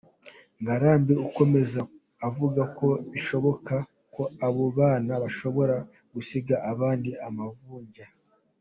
Ngarambe akomeza avuga ko bishoboka ko abo bana bashobora gusiga abandi amavunja.